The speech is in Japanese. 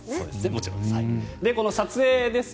もちろんです。